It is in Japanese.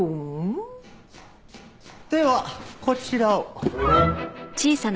ではこちらを。